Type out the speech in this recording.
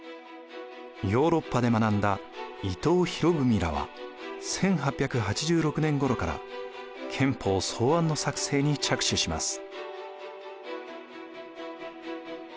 ヨーロッパで学んだ伊藤博文らは１８８６年ごろから憲法草案の作成に着手します。